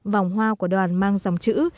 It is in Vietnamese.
vòng hoa của đoàn mang dòng chữ